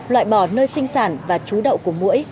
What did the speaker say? loại bỏ nơi sinh sản và chú đậu của mũi